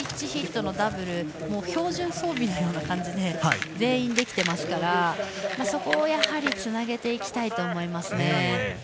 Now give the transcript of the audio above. ヒットのダブル標準装備の感じで全員ができていますからそこをやはりつなげていきたいと思います。